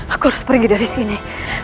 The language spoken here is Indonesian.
aku harus pergi dari sini